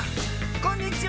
こんにちは。